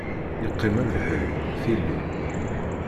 Yeqqim abeḥri, tili.